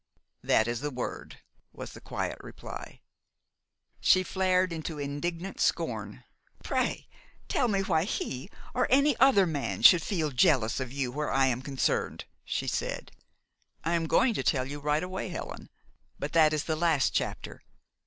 "That is the word," was the quiet reply. She flared into indignant scorn. "Pray tell me why he or any other man should feel jealous of you where I am concerned," she said. "I am going to tell you right away Helen. But that is the last chapter.